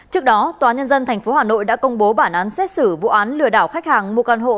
trước đó tòa nhân dân tp hà nội đã công bố bản án xét xử vụ án lừa đảo khách hàng mua căn hộ